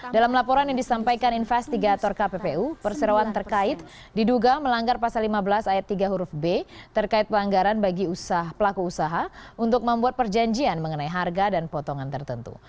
dalam laporan yang disampaikan investigator kppu perseroan terkait diduga melanggar pasal lima belas ayat tiga huruf b terkait pelanggaran bagi pelaku usaha untuk membuat perjanjian mengenai harga dan potongan tertentu